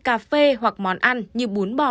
cà phê hoặc món ăn như bún bò